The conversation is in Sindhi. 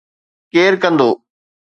ڪير ڪندو؟